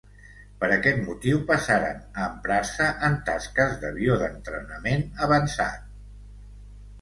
Per aquest motiu passaren a emprar-se en tasques d'avió d'entrenament avançat.